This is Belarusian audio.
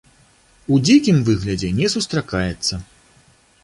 У дзікім выглядзе не сустракаецца.